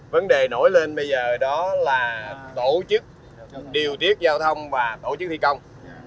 vấn đề nổi lên bây giờ đó là tổ chức điều tiết giao thông và tổ chức thi công